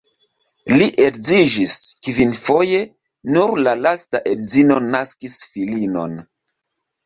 Li edziĝis kvinfoje, nur la lasta edzino naskis filinon.